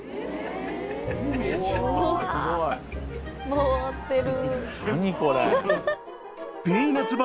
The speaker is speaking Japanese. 回ってる。